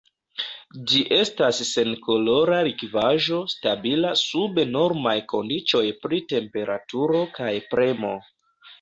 Ĝi estas senkolora likvaĵo stabila sub normaj kondiĉoj pri temperaturo kaj premo.